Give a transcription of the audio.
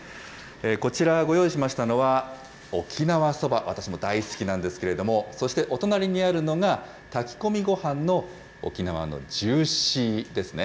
こちらご用意しましたのは、沖縄そば、私も大好きなんですけれども、そして、お隣にあるのが炊き込みごはんの沖縄のジューシーですね。